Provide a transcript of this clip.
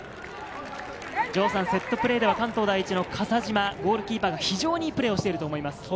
セットプレーでは関東第一の笠島、ゴールキーパーが非常にいいプレーをしていると思います。